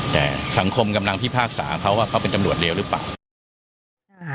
แต่สังคมกำลังพิพากษาเขาว่าเขาเป็นตำรวจเร็วหรือเปล่า